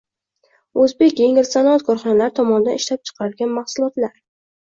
“O’zbekengilsanoat” korxonalari tomonidan ishlab chiqarilgan mahsulotlar